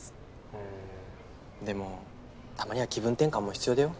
うんでもたまには気分転換も必要だよ。